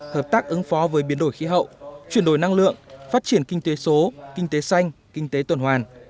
hợp tác ứng phó với biến đổi khí hậu chuyển đổi năng lượng phát triển kinh tế số kinh tế xanh kinh tế tuần hoàn